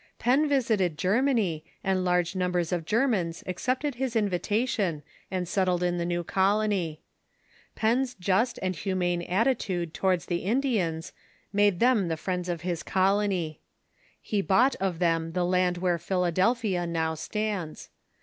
Penn visited Germany, and large numbers of Germans accept ed his invitation and settled in the new colony. Penn's just and humane attitude towards the Indians made them the friends of his colony. He bought of them the land where Philadelphia now stands.